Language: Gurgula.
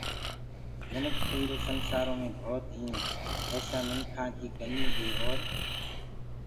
مِنک تو ايرو سنسآرو مي ڀوتيٚنٚ پر ايسآ مِنکآنٚ ڪي ڪميٚ هي اور